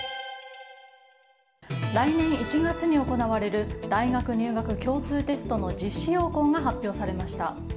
来年の１月に行われる大学入学共通テストの実施要項が発表されました。